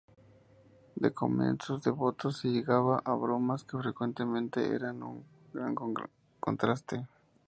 De comienzos devotos se llegaba a bromas que frecuentemente eran un gran contraste.